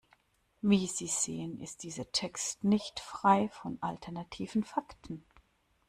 Wie Sie sehen, ist dieser Text nicht frei von alternativen Fakten.